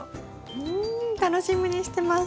うん楽しみにしてます。